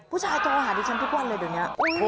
โทรหาดิฉันทุกวันเลยเดี๋ยวนี้